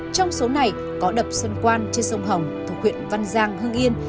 trong số này có đập xuân quan trên sông hồng thuộc huyện văn giang hưng yên